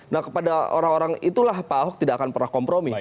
nah kepada orang orang itulah pak ahok tidak akan pernah kompromi